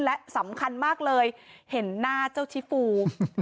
และสำคัญมากเลยเห็นหน้าเจ้าชิฟู